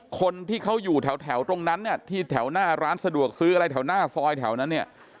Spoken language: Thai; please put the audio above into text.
คนที่เขาอยู่แถวตรงนั้นเนี่ยที่แถวหน้าร้านสะดวกซื้ออะไรแถวหน้าซอยแถวนั้นเนี่ย